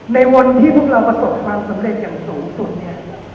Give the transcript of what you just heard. ในวันที่พวกเราประสบความสำเร็จอย่างสูงสุดเนี่ย